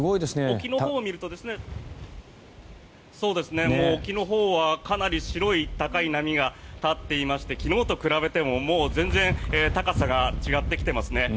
沖のほうを見るとかなり白い高い波が立っていまして昨日と比べても、もう全然高さが違ってきています。